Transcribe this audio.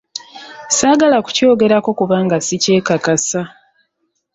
Saagala kukyogerako kubanga sikyekakasa.